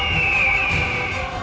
di kedai ini